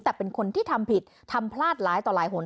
แต่เป็นคนที่ทำผิดทำพลาดร้ายต่อหลายหน